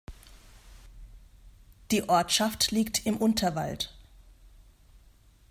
Die Ortschaft liegt im Unterwald.